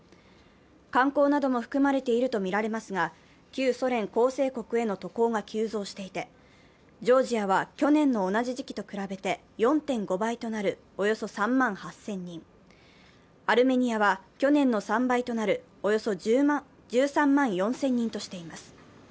観光なども含まれているとみられますが、旧ソ連構成国への渡航が急増していてジョージアは去年の同じ時期と比べて４．５倍となる、およそ３万８０００人、アルメニアは去年の３倍となるおよそ１３万４０００人としています。